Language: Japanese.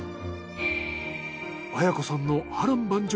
アヤ子さんの波乱万丈